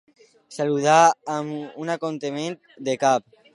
Saludà amb un acotament de cap.